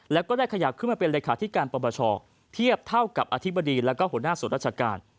แล้วก็ได้ขยับขึ้นมาเป็นเลขาธิการปปชเทียบเท่ากับอธิบดีแล้วก็หัวหน้าส่วนราชการ